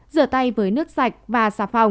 rửa tay với nước sạch và sạch